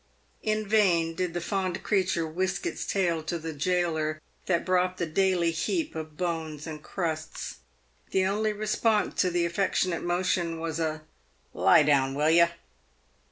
In vain did the fond creature whisk its tail to the gaoler that brought the daily heap of bones and crusts. The only re sponse to the affectionate motion was a " Lie down, will yer